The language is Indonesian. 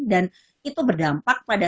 dan itu berdampak pada